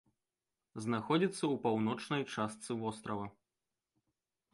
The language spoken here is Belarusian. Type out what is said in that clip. Знаходзіцца ў паўночнай частцы вострава.